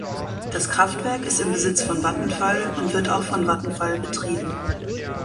Das Kraftwerk ist im Besitz von Vattenfall und wird auch von Vattenfall betrieben.